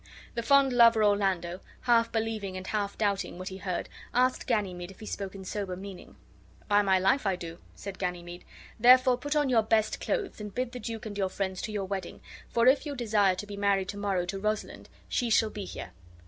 The fond lover Orlando, half believing and half doubting what he heard, asked Ganymede if he spoke in sober meaning. "By my life I do," said Ganymede. "Therefore put on your best clothes, and bid the duke and your friends to your wedding, for if you desire to be married to morrow to Rosalind, she shall be here."